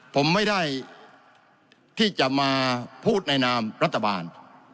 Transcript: ผมไม่ได้ที่จะมาพูดในนามรัฐบาล